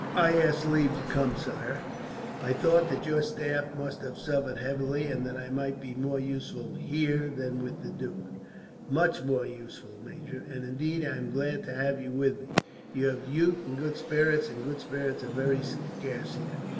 "I asked leave to come, sire. I thought that your staff must have suffered heavily, and that I might be more useful here than with the duke." "Much more useful, major; and indeed, I am glad to have you with me. You have youth and good spirits, and good spirits are very scarce here.